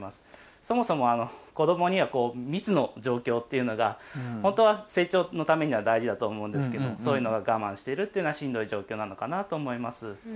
そもそも子どもには密の状況っていうのが成長のためには大事だと思いますけどそういうのを我慢しているっていうのはしんどい状況なのかなと思います。